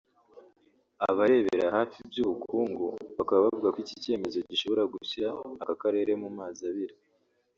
Abarebera hafi iby’ubukungu bakaba bavuga ko icyi cyemezo gishobora gushyira aka Karere mu mazi abira